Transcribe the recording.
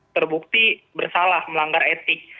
terbukti bersalah melanggar etik